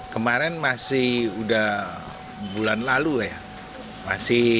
kemarin masih udah bulan lalu ya